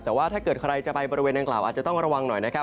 แต่ว่าถ้าเกิดใครจะไปบริเวณนางกล่าวอาจจะต้องระวังหน่อยนะครับ